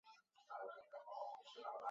后因兴建屯门公路分为南北两部份。